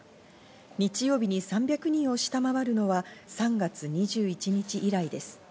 日曜日に３００人を下回るのは３月２１日以来です。